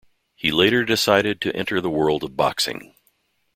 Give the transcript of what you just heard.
He later decided to enter the world of boxing.